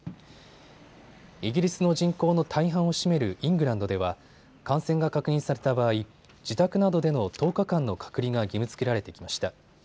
イギリスの人口の大半を占めるイングランドでは感染が確認された場合、自宅などでの１０日間の隔離が義務づけられてきました。